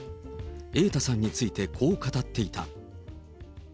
瑛太さんについてこう語っていた。